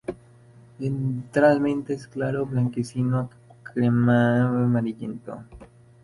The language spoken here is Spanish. Ventralmente es claro, blanquecino a crema-amarillento.